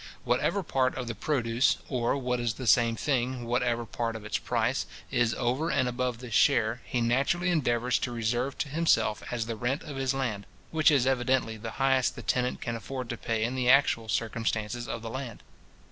Whatever part of the produce, or, what is the same thing, whatever part of its price, is over and above this share, he naturally endeavours to reserve to himself as the rent of his land, which is evidently the highest the tenant can afford to pay in the actual circumstances of the land.